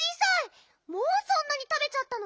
もうそんなにたべちゃったの？